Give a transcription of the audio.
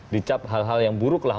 dicap hal hal yang buruklah